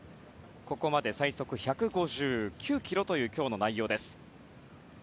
ここまで最速１５９キロという今日の内容です。